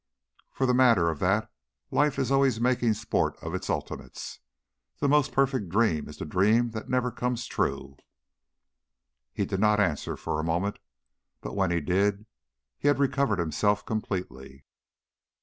For the matter of that, life is always making sport of its ultimates. The most perfect dream is the dream that never comes true." He did not answer for a moment, but when he did he had recovered himself completely.